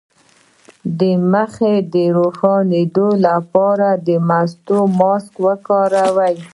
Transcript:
د مخ د روښانه کیدو لپاره د مستو ماسک وکاروئ